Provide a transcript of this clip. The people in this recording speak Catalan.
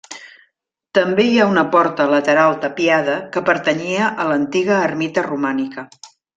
També hi ha una porta lateral tapiada que pertanyia a l'antiga ermita romànica.